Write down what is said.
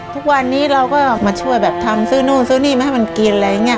ทุกวันนี้เราก็มาช่วยแบบทำซื้อนู่นซื้อนี่มาให้มันกินอะไรอย่างนี้